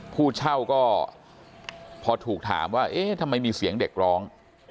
ผู้เช่าก็พอถูกถามว่าเอ๊ะทำไมมีเสียงเด็กร้อง